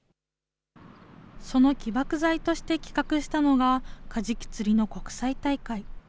その起爆剤として企画したのが、カジキ釣りの国際大会。